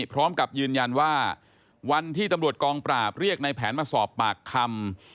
พร้อมกับยืนยันว่าวันที่ตำรวจกองปราบเรียกในแผนมาสอบปากคำ